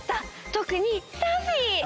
とくにサフィー！